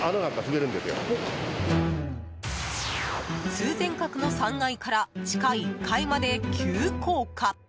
通天閣の３階から地下１階まで急降下！